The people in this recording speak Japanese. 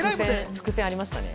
伏線がありましたね。